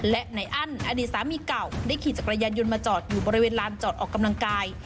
และนายอั้นอดีตสามีเก่าได้ขี่จักรยานยนต์มาจอดอยู่บริเวณลานจอดออกกำลังกาย